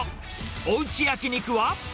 おうち焼き肉は。